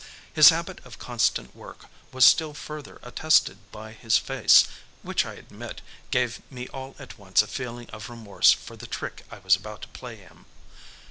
His habit of constant work was still further attested by his face, which I admit, gave me all at once a feeling of remorse for the trick I was about to play him.